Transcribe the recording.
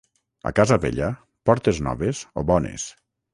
A casa vella, portes noves o bones.